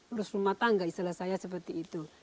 urus rumah tangga istilah saya seperti itu